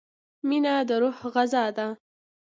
• مینه د روح غذا ده.